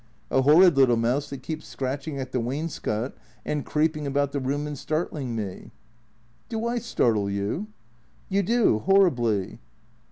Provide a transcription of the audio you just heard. A horrid little mouse that keeps scratching at the wainscot and creeping about the room and startling me." "Do I startle you?" "You do. Horribly."